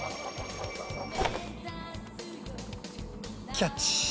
キャッチ。